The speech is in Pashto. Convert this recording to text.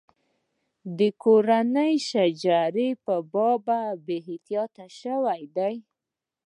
د کورنۍ شجرې په باب بې احتیاطي شوې ده.